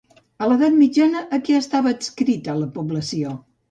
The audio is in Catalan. A l'edat mitjana, a què estava adscrita la població?